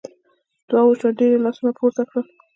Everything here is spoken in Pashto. دعا وشوه ډېر یې لاسونه پورته کړل.